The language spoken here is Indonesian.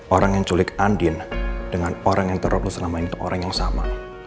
orang yang culik andin dengan orang yang teror selama ini orang yang sama